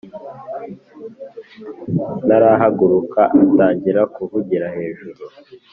ntarahaguruka atangira kuvugira hejuru